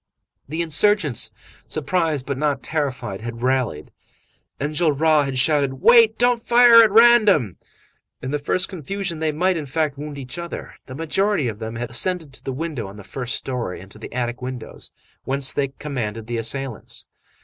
The insurgents, surprised but not terrified, had rallied. Enjolras had shouted: "Wait! Don't fire at random!" In the first confusion, they might, in fact, wound each other. The majority of them had ascended to the window on the first story and to the attic windows, whence they commanded the assailants.